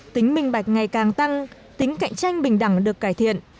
tính bình bạch ngày càng tăng tính cạnh tranh bình đẳng được cải thiện